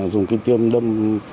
dùng kim tiêm đâm